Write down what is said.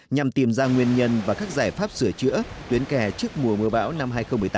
nhằm tìm ra nguyên nhân và các giải pháp sửa chữa tuyến kè trước mùa mưa bão năm hai nghìn một mươi tám